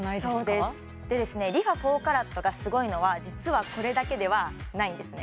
そうですＲｅＦａ４ＣＡＲＡＴがすごいのは実はこれだけではないんですね